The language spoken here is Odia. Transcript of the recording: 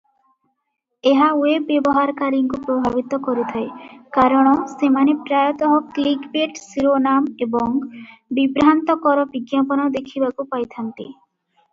ଏହା ୱେବ ବ୍ୟବହାରକାରୀଙ୍କୁ ପ୍ରଭାବିତ କରିଥାଏ କାରଣ ସେମାନେ ପ୍ରାୟତଃ କ୍ଲିକବେଟ ଶିରୋନାମ ଏବଂ ବିଭ୍ରାନ୍ତିକର ବିଜ୍ଞାପନ ଦେଖିବାକୁ ପାଇଥାନ୍ତି ।